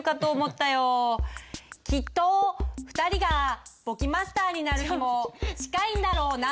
きっと２人が簿記マスターになる日も近いんだろうな。